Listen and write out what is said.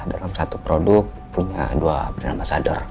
dalam satu produk punya dua brand ambasador